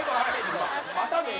またね。